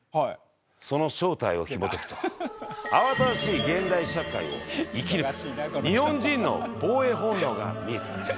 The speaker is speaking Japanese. その正体をひもとくと慌ただしい現代社会を生き抜く日本人の防衛本能が見えてきました。